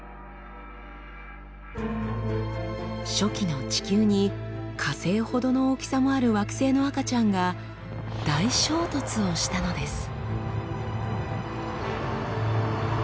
初期の地球に火星ほどの大きさもある惑星の赤ちゃんが大衝突をしたのです。